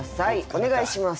お願いします。